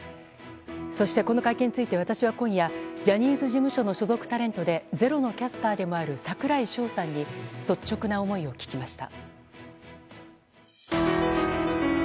そして、この会見について私は今夜ジャニーズ事務所の所属タレントで、「ｚｅｒｏ」のキャスターでもある櫻井翔さんに率直な思いを聞きました。